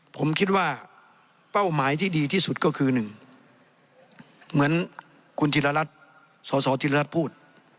ผมคิดว่าเป้าหมายที่ดีที่สุดก็คือ๑เหมือนคุณธิรรัฐสสธิรัตน์พูด